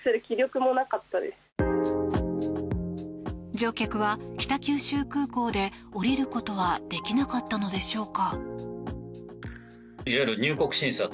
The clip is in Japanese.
乗客は北九州空港で降りることはできなかったのでしょうか。